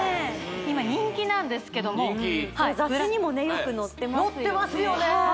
今人気なんですけども雑誌にもねよく載ってますよね